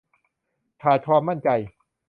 ขาดความมั่นใจ